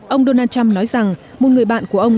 ông donald trump nói rằng một người bạn của ông